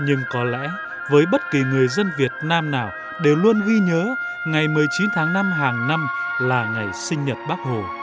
nhưng có lẽ với bất kỳ người dân việt nam nào đều luôn ghi nhớ ngày một mươi chín tháng năm hàng năm là ngày sinh nhật bác hồ